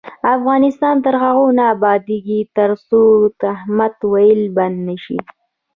افغانستان تر هغو نه ابادیږي، ترڅو تهمت ویل بند نشي.